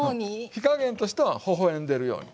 火加減としては微笑んでるように。